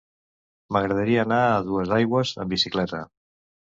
M'agradaria anar a Duesaigües amb bicicleta.